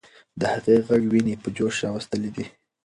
د هغې ږغ ويني په جوش راوستلې دي.